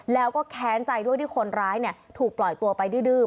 แล้วก็แค้นใจด้วยที่คนร้ายถูกปล่อยตัวไปดื้อ